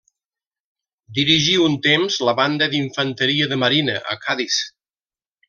Dirigí un temps la banda d'Infanteria de Marina, a Cadis.